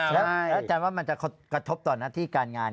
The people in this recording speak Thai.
ใช่แล้วแจ้งว่ามันจะกระทบต่อหน้าที่การงาน